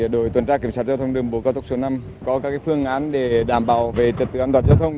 đội tuần tra kiểm soát giao thông đường bộ cao tốc số năm có các phương án để đảm bảo về trật tự an toàn giao thông